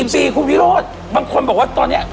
คุณวิโรธบางคนบอกว่าตอนนี้